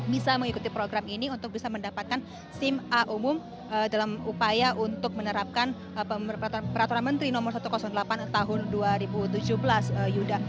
bisa mengikuti program ini untuk bisa mendapatkan sim a umum dalam upaya untuk menerapkan peraturan menteri no satu ratus delapan tahun dua ribu tujuh belas yuda